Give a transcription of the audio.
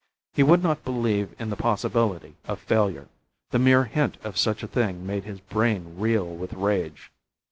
He would not believe in the possibility of failure; the mere hint of such a thing made his brain reel with rage.